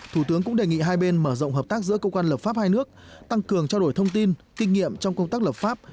thủ tướng cũng đề nghị hai bên mở rộng hợp tác giữa cơ quan lập pháp hai nước tăng cường trao đổi thông tin kinh nghiệm trong công tác lập pháp